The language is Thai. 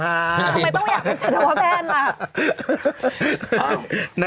ทำไมต้องอยากเป็นสัตวแพทย์น่ะ